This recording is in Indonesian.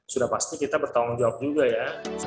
sudah pasti kita bertanggung jawab juga ya